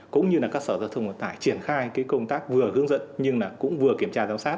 cũng như là các sở giao thông vận tải triển khai cái công tác vừa hướng dẫn nhưng là cũng vừa kiểm tra giáo sát